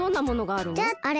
あれ？